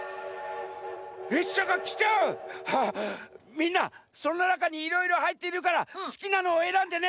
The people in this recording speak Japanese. みんなそのなかにいろいろはいってるからすきなのをえらんでね。